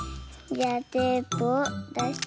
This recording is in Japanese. じゃあテープをだして。